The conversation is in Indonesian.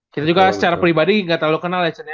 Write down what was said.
kita juga secara pribadi gak terlalu kenal ya chan